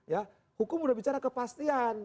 ya hukum udah bicara kepastian